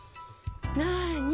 なに？